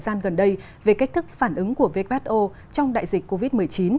và cũng chỉ trích thời gian gần đây về cách thức phản ứng của who trong đại dịch covid một mươi chín